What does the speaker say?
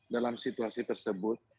dalam situasi tersebut